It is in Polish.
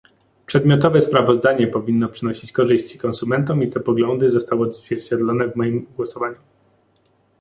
Przedmiotowe sprawozdanie powinno przynosić korzyści konsumentom i te poglądy zostały odzwierciedlone w moim głosowaniu